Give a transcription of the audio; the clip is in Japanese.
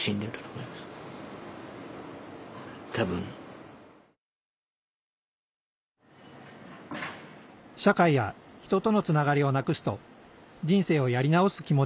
社会や人とのつながりをなくすと人生をやり直す気持ちを失う人もいます